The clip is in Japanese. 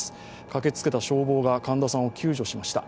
駆けつけた消防がカンダさんを救助しました。